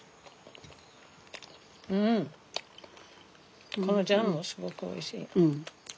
うんこのジャムもすごくおいしい。